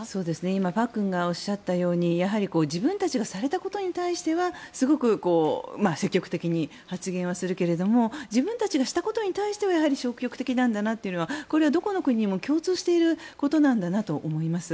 今、パックンがおっしゃったように自分たちがされたことに対してはすごく積極的に発言はするけれども自分たちがしたことに対しては消極的なんだなというのはこれはどこの国にも共通して言えることなんだなと思います。